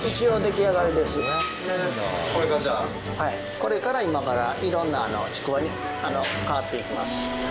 これから今から色んなちくわに変わっていきます。